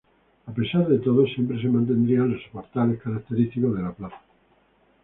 A pesar de todo, siempre se mantendrían los soportales característicos de la plaza.